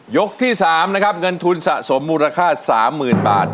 ยกที่สามนะครับเงินทุนสะสมมูลค่าสามหมื่นบาท